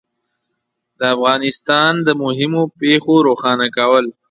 د افغانستان د مهمو پېښو روښانه کول